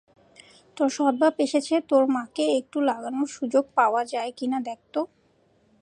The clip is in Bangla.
তোর সৎবাপ এসেছে তোর মাকে একটু লাগানোর সুযোগ পাওয়া যায় কিনা দেখতে।